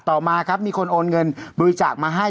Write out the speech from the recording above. ต่อมาครับมีคนโอนเงินบริจาคมาให้